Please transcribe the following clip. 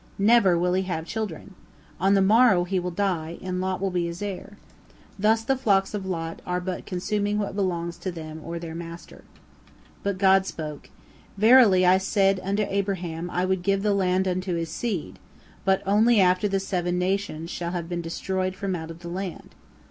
Never will he have children. On the morrow he will die, and Lot will be his heir. Thus the flocks of Lot are but consuming what belongs to them or their master." But God spoke: "Verily, I said unto Abraham I would give the land unto his seed, but only after the seven nations shall have been destroyed from out of the land.